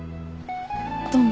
どうも。